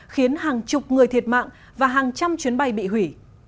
khiến hàng chục người thiệt mạng và hàng trăm chuyến bay bị hủy